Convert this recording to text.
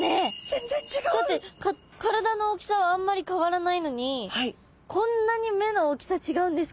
だって体の大きさはあんまり変わらないのにこんなに目の大きさ違うんですか。